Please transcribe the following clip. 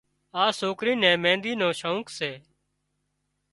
آ سوڪري نين مينۮِي نو شوق سي